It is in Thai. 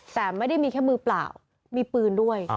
แต่ไม่ได้มีแค่มือเปล่ามีปืนด้วย